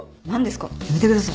やめてくださいこっわ。